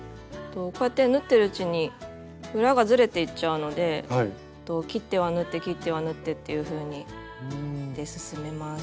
こうやって縫ってるうちに裏がずれていっちゃうので切っては縫って切っては縫ってっていうふうにして進めます。